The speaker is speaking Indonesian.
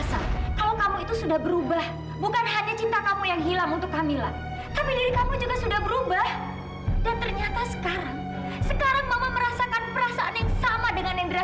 sampai jumpa di video selanjutnya